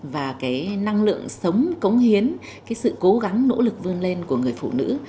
và cái năng lượng sống cống hiến cái sự cố gắng nỗ lực vươn lên của người phụ nữ